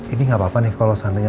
ini gak apa apa nih kalau seandainya